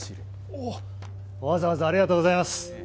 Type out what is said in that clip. あっわざわざありがとうございます。